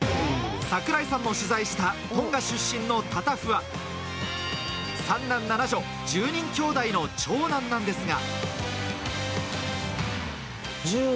櫻井さんも取材したトンガ出身のタタフは３男７女、１０人きょうだいの長男なんですが。